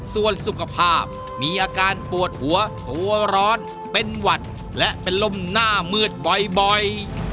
ส่วนสุขภาพมีอาการปวดหัวตัวร้อนเป็นหวัดและเป็นลมหน้ามืดบ่อย